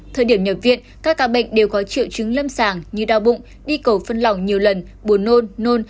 thời điểm nhập viện các ca bệnh đều có triệu chứng lâm sàng như đau bụng đi cầu phân lỏng nhiều lần buồn nôn nôn